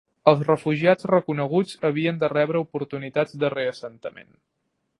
Els refugiats reconeguts havien de rebre oportunitats de reassentament.